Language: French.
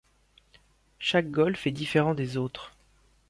Chaque golf est différent des autres.